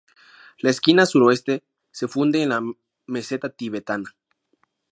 La esquina suroeste se funde en la meseta tibetana.